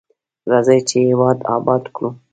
راځئ چې هیواد اباد کړو.